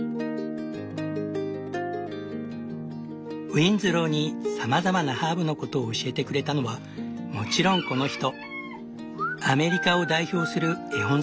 ウィンズローにさまざまなハーブのことを教えてくれたのはもちろんこの人。